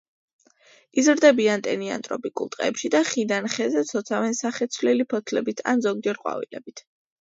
იზრდებიან ტენიან ტროპიკულ ტყეებში და ხიდან ხეზე ცოცავენ სახეცვლილი ფოთლებით ან ზოგჯერ ყვავილებით.